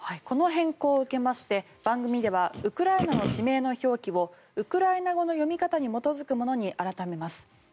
この変更を受けまして番組ではウクライナの地名の表記をウクライナ語の読み方に基づくものに改めます。